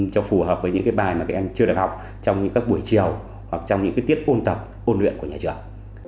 cho phù hợp với những bài mà các em chưa được học trong những buổi chiều hoặc trong những tiết ôn tập ôn luyện của nhà trường